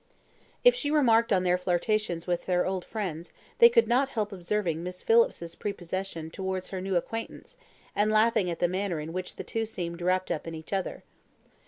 If she remarked on their flirtations with their old friends, they could not help observing Miss Phillips's prepossession towards her new acquaintance, and laughing at the manner in which the two seemed wrapped up in each other.